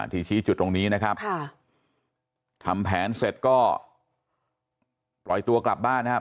ชี้จุดตรงนี้นะครับค่ะทำแผนเสร็จก็ปล่อยตัวกลับบ้านนะครับ